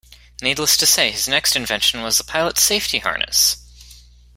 Needless to say, his next invention was a pilot's safety harness!